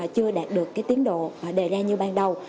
chưa đạt được cái tiến độ đề ra như ban đầu